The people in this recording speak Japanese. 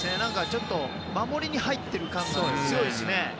ちょっと守りに入っている感が強いですね。